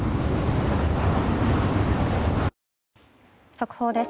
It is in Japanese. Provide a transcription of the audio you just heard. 速報です。